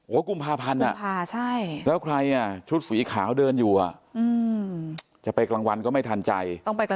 กุมภาพันธ์แล้วใครอ่ะชุดสีขาวเดินอยู่อ่ะจะไปกลางวันก็ไม่ทันใจ